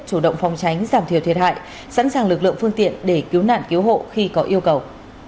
chủ động phòng tránh giảm thiểu thiệt hại sẵn sàng lực lượng phương tiện để cứu nạn cứu hộ khi có yêu cầu